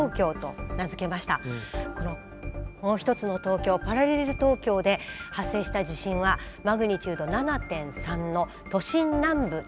このもう一つの東京パラレル東京で発生した地震はマグニチュード７．３の都心南部直下地震です。